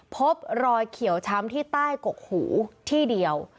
พบรอยเขียวช้ำที่ใต้กกหูที่เดียว